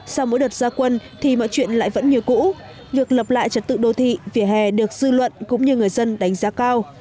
sau mỗi đợt gia quân thì mọi chuyện lại vẫn như cũ việc lập lại trật tự đô thị vỉa hè được dư luận cũng như người dân đánh giá cao